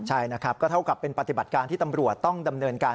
ใช่นะครับก็เท่ากับเป็นปฏิบัติการที่ตำรวจต้องดำเนินการ